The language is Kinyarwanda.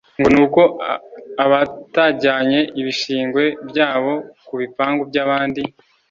ngo ni uko abatajyanye ibishingwe byabo ku bipangu by’abandi